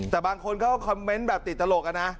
แต่บางคนเขาคอมเมนต์ติดตลกนะ